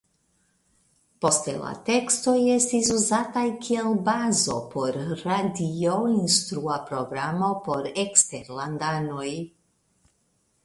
Poste la tekstoj estis uzataj kiel bazo por radioinstrua programo por eksterlandanoj.